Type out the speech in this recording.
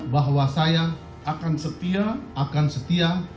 bahwa saya akan setia akan setia